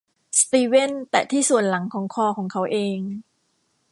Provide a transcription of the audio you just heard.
สตีเวนแตะที่ส่วนหลังของคอของเขาเอง